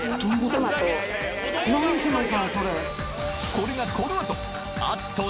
これがこの後わ！